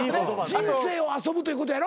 人生を遊ぶということやろ？